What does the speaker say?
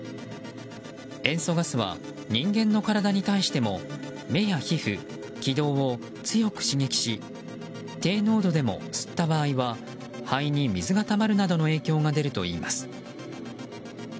塩素ガスは人間の体に対しても目や皮膚気道を強く刺激し低濃度でも吸った場合は肺に水がたまるなどの影響が出るといいます。